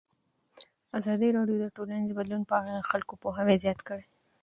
ازادي راډیو د ټولنیز بدلون په اړه د خلکو پوهاوی زیات کړی.